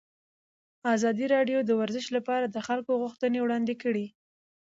ازادي راډیو د ورزش لپاره د خلکو غوښتنې وړاندې کړي.